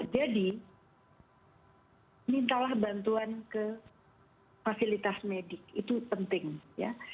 jadi mintalah bantuan ke fasilitas medik itu penting ya